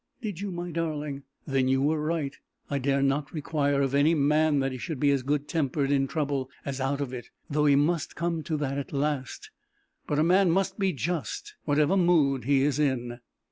"Did you, my darling? Then you were right. I dare not require of any man that he should be as good tempered in trouble as out of it though he must come to that at last; but a man must be just, whatever mood he is in."